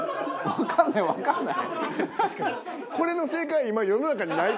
わかんないわかんない。